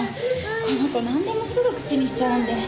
この子なんでもすぐ口にしちゃうんで。